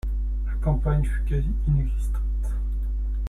La campagne fut quasi inexistante.